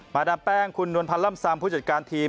ดามแป้งคุณนวลพันธ์ล่ำซามผู้จัดการทีม